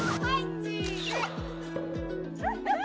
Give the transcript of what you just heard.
チーズ！」